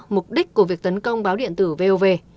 mục đích của việc tấn công báo điện tử vov